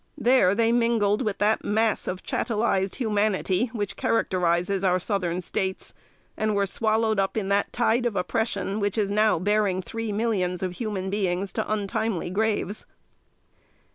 There they mingled with that mass of chattelized humanity which characterizes our Southern States, and were swallowed up in that tide of oppression which is now bearing three millions of human beings to untimely graves.